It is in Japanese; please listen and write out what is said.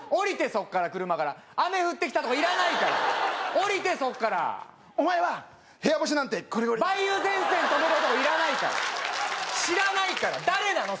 そっから車から雨ふってきたとかいらないから降りてそっからお前は部屋干しなんてこりごりだ梅雨前線止める男いらないから知らないから誰なの？